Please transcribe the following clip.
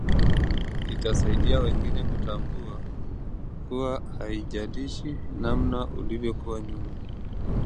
itawasaidia wengine kutambua kuwa haijalishi namna ulivyokuwa nyuma